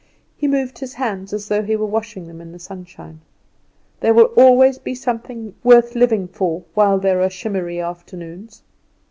He moved his hands as though he were washing them in the sunshine. There will always be something worth living for while there are shimmery afternoons.